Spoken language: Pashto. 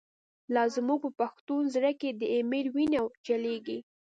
لا زمونږ په پښتون زړه کی، « د ایمل» وینه چلیږی